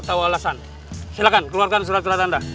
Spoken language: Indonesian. gue mau d membetakan